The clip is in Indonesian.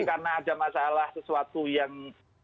karena ada masalah sesuatu yang